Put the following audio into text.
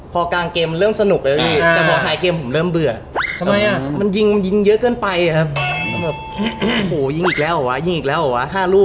ต้องกินเยอะพี่จิ๊บไม่ได้นะต้องลาดแล้วละ